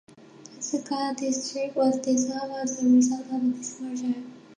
Yatsuka District was dissolved as a result of this merger.